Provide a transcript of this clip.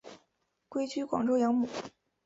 归居广州养母。